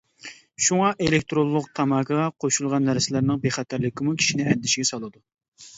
شۇڭا، ئېلېكتىرونلۇق تاماكىغا قوشۇلغان نەرسىلەرنىڭ بىخەتەرلىكىمۇ كىشىنى ئەندىشىگە سالىدۇ.